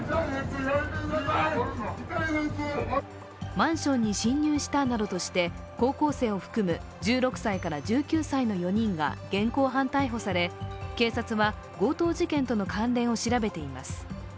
マンションに侵入したなどとして高校生を含む１６歳から１９歳の４人が現行犯逮捕され、警察は強盗事件との関連を調べています。